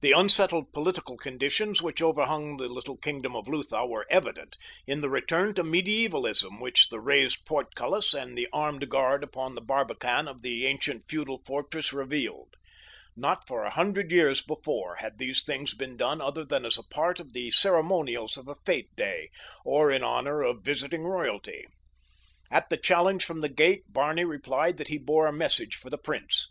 The unsettled political conditions which overhung the little kingdom of Lutha were evident in the return to medievalism which the raised portcullis and the armed guard upon the barbican of the ancient feudal fortress revealed. Not for a hundred years before had these things been done other than as a part of the ceremonials of a fete day, or in honor of visiting royalty. At the challenge from the gate Barney replied that he bore a message for the prince.